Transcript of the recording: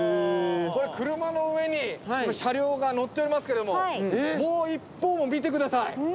これ車の上に車両が載っておりますけどももう一方も見て下さい！